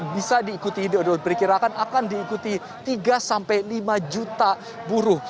bisa diikuti diperkirakan akan diikuti tiga sampai lima juta buruh